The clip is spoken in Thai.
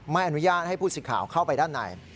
ไม่อนุญาตให้ผู้สิทธิ์ข่าวเข้าไปด้านใน